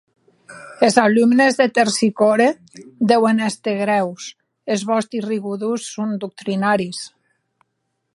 Es alumnes de Tersicore deuen èster grèus, es vòsti rigodons son doctrinaris.